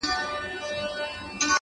له یوه کلي تر بله! هديرې د ښار پرتې دي!